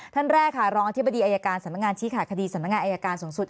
ท่านแรกค่ะรองอธิบดีอายการสำนักงานชี้ขาดคดีสำนักงานอายการสูงสุด